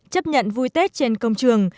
chấp nhận vui tết trên công trường